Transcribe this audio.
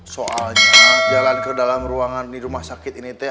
soalnya jalan ke dalam ruangan di rumah sakit ini teh